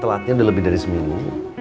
telatnya udah lebih dari seminggu